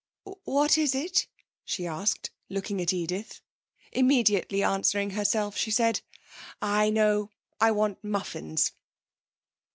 What is it?' she asked, looking at Edith. Immediately answering herself she said: 'I know, I want muffins.'